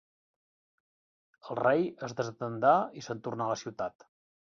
El rei es desatendà i se'n tornà a la ciutat.